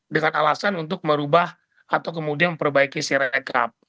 dengan alasan untuk merubah atau kemudian memperbaiki sirekap